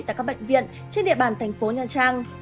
tại các bệnh viện trên địa bàn thành phố nha trang